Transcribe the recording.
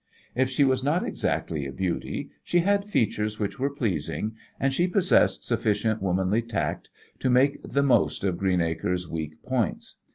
If she was not exactly a beauty, she had features which were pleasing, and she possessed sufficient womanly tact to make the most of Greenacre's weak points.